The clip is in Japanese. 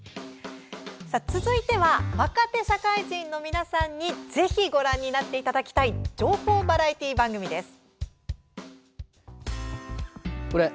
続いては若手社会人の皆さんにぜひご覧になっていただきたい情報バラエティー番組です。